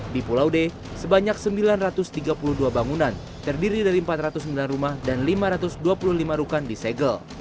di pulau d sebanyak sembilan ratus tiga puluh dua bangunan terdiri dari empat ratus sembilan rumah dan lima ratus dua puluh lima rukan disegel